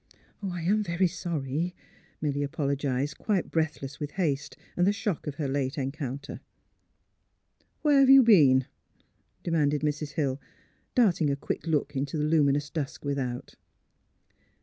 '' I am — very sorry," Milly apologised, quite breathless with haste and the shock of her late encounter. '^ Where have you been? " demanded Mrs. Hill, darting a quick look into the luminous dusk with out.